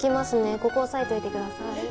ここ押さえといてくださいえっ！？